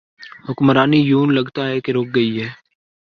حکمرانی یوں لگتا ہے کہ رک گئی ہے۔